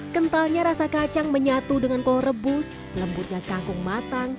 kentalnya rasa kacang menyatu dengan kol rebus lembutnya kangkung matang